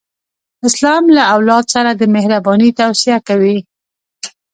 اسلام له اولاد سره د مهرباني توصیه کوي.